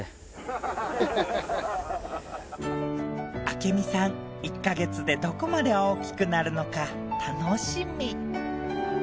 明美さん１ヵ月でどこまで大きくなるのか楽しみ。